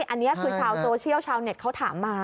อันนี้คือชาวโซเชียลชาวเน็ตเขาถามมา